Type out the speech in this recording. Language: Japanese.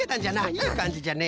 いいかんじじゃね。